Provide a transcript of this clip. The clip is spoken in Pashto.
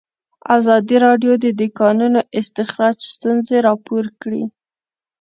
ازادي راډیو د د کانونو استخراج ستونزې راپور کړي.